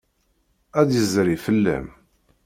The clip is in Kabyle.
Ad d-yezri fell-am.